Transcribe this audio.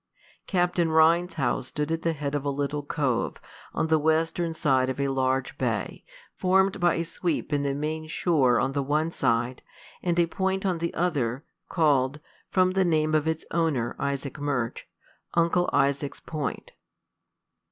Captain Rhines's house stood at the head of a little cove, on the western side of a large bay, formed by a sweep in the main shore on the one side, and a point on the other, called (from the name of its owner, Isaac Murch) "Uncle Isaac's Point."